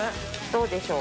どうでしょう？